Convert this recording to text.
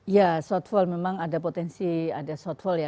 ya shortfall memang ada potensi ada shortfall ya